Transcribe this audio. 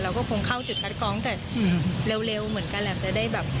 เราก็คงเข้าจุดคัดกรองแต่เร็วเหมือนกันแหละจะได้แบบ